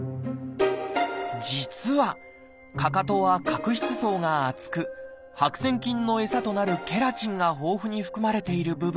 実はかかとは角質層が厚く白癬菌の餌となるケラチンが豊富に含まれている部分。